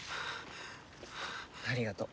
ありがとう。